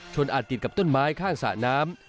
อาจติดกับต้นไม้ข้างสระน้ำ